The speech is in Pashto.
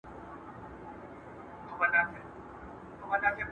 یو شمیر پوهان وايي چې لمریز نظام د کهکشان ښاخونو ته نږدې تېرېږي.